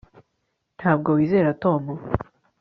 ntabwo wizera tom